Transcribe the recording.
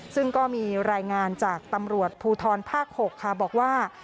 ซึ่งก็มีรายงานจากตำรวจภูทรภาค๖ค่ะบอกว่า